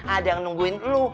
ada yang nungguin lu